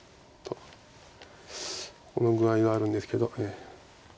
この具合があるんですけど。